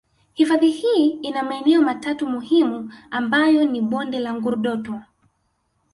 Hifadhi hii ina maeneo matatu muhimu ambayo ni bonde la Ngurdoto